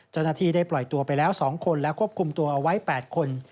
เจ้าหน้าที่ได้ปล่อยตัวไปแล้ว๒คนและควบคุมตัวเอาไว้๘คน